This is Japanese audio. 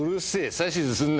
指図するな。